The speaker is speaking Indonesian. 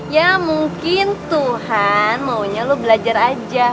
ya mungkin tuhan maunya lu belajar aja